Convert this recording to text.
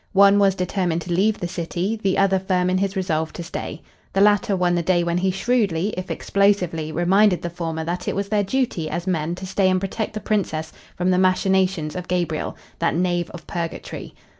One was determined to leave the city, the other firm in his resolve to stay. The latter won the day when he shrewdly, if explosively, reminded the former that it was their duty as men to stay and protect the Princess from the machinations of Gabriel, that knave of purgatory.